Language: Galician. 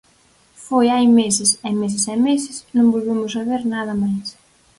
Foi hai meses, e meses e meses, non volvemos saber nada máis.